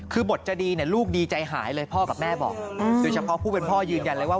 คือบทจะดีเนี่ยลูกดีใจหายเลยพ่อกับแม่บอกโดยเฉพาะผู้เป็นพ่อยืนยันเลยว่า